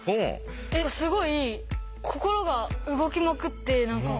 すごい心が動きまくって何か。